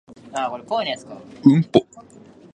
相手は距離をとっていると思っていても攻められます。